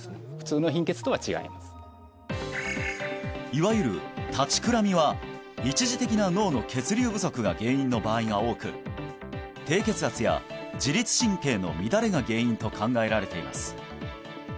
いわゆる立ちくらみは一時的な脳の血流不足が原因の場合が多く低血圧や自律神経の乱れが原因と考えられています